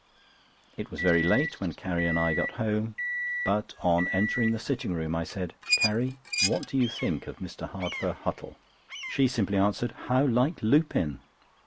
It was very late when Carrie and I got home; but on entering the sitting room I said: "Carrie, what do you think of Mr. Hardfur Huttle?" She simply answered: "How like Lupin!"